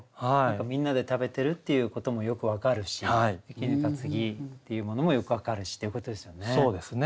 みんなで食べてるっていうこともよく分かるし衣被っていうものもよく分かるしっていうことですよね。